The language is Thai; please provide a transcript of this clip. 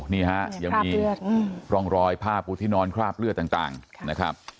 นี่ฮะยังมีภาพเลือดอืมรองรอยผ้าปุทธินอนคราบเลือดต่างต่างนะครับ